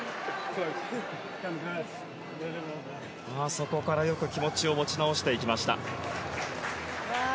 そこからよく気持ちを持ちなおしてきました。